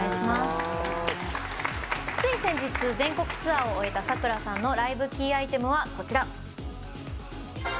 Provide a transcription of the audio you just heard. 先日、全国ツアーを終えたさくらさんのライブキーアイテムは、こちら。